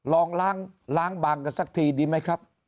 ลองล้างบางกันสักทีดีไหมครับ